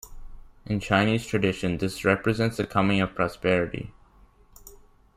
In Chinese tradition, this represents the coming of prosperity.